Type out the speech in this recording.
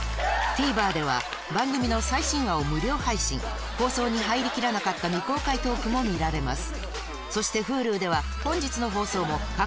ＴＶｅｒでは番組の最新話を無料配信放送に入りきらなかった未公開トークも見られます